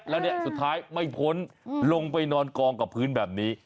แล้วเนี่ยสุดท้ายไม่พ้นลงไปนอนกองกับพื้นแบบนี้